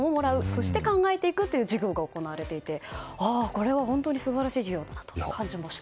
そして考えていくという授業が行われていてこれは本当に素晴らしい授業と感じました。